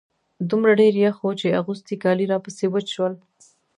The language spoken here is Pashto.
دومره ډېر يخ و چې اغوستي کالي راپسې وچ شول.